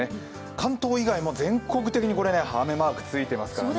関東以外も全国的に雨マークついていますからね。